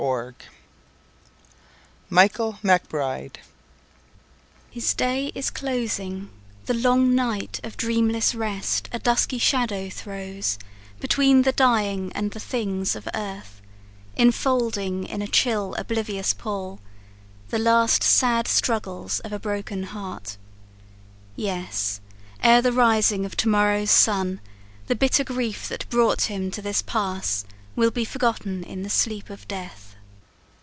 CHAPTER XI Michael Macbride "His day of life is closing the long night Of dreamless rest a dusky shadow throws, Between the dying and the things of earth, Enfolding in a chill oblivious pall The last sad struggles of a broken heart. Yes! ere the rising of to morrow's sun, The bitter grief that brought him to this pass Will be forgotten in the sleep of death."